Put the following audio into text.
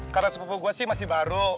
karena sepupu gue sih masih baru